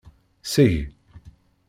Seg.